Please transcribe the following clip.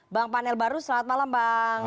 bang panel baru selamat malam bang